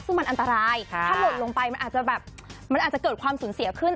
ซึ่งมันอันตรายถ้าหล่นลงไปมันอาจจะแบบมันอาจจะเกิดความสูญเสียขึ้น